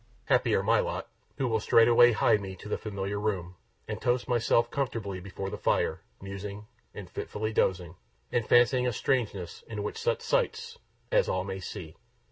Happier my lot, who will straightway hie me to my familiar room, and toast myself comfortably before the fire, musing, and fitfully dozing, and fancying a strangeness in such sights as all may see.